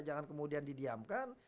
jangan kemudian didiamkan